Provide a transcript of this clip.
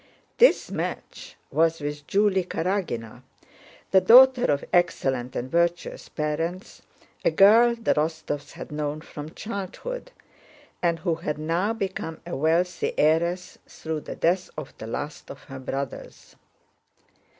This match was with Julie Karágina, the daughter of excellent and virtuous parents, a girl the Rostóvs had known from childhood, and who had now become a wealthy heiress through the death of the last of her brothers.